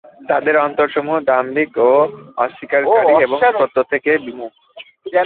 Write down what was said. তাদের অন্তরসমূহ দাম্ভিক ও অস্বীকারকারী এবং সত্য থেকে বিমুখ।